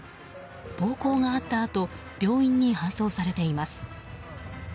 暴行があったあと病院に搬送されています。